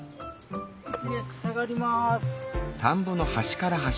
一列下がります。